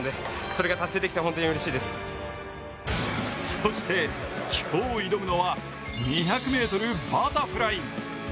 そして、今日挑むのは２００ｍバタフライ。